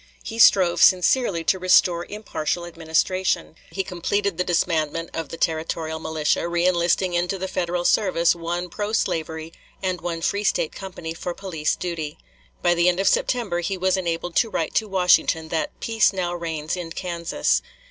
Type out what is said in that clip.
He strove sincerely to restore impartial administration; he completed the disbandment of the territorial militia, reënlisting into the Federal service one pro slavery and one free State company for police duty. By the end of September he was enabled to write to Washington that "peace now reigns in Kansas."